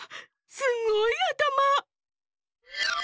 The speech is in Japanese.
すごいあたま！